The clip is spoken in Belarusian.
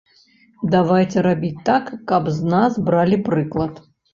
Давайце рабіць так, каб з нас бралі прыклад.